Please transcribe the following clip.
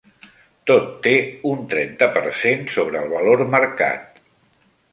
Tot té un trenta per cent sobre el valor marcat.